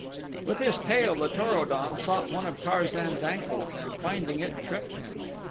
With his tail the Tor o don sought one of Tarzan's ankles, and finding it, tripped him.